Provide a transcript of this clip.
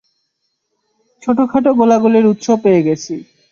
ছোটখাট গোলাগুলির উৎস পেয়ে গেছি।